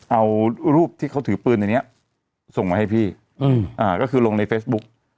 เอารูปที่เขาถือปืนในนี้ส่งมาให้พี่ก็คือลงในเฟซบุ๊ก